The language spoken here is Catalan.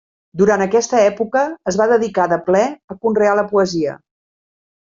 Durant aquesta època es va dedicar de ple a conrear la poesia.